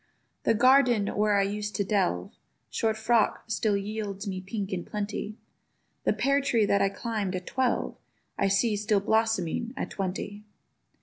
The garden, where I used to delve Short frock'd, still yields me pinks in plenty: The peartree that I climb'd at twelve I see still blossoming, at twenty.